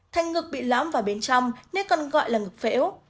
thành ngực bị lõm vào bên trong nên còn gọi là ngực phễu